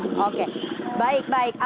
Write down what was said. oke baik baik